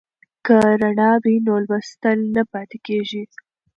که رڼا وي نو لوستل نه پاتې کیږي.